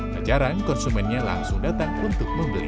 tak jarang konsumennya langsung datang untuk membeli